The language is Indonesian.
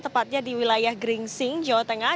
tepatnya di wilayah gringsing jawa tengah